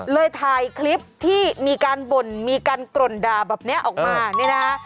ถ่ายคลิปที่มีการบ่นมีการกร่นด่าแบบนี้ออกมาเนี่ยนะคะ